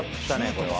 これは。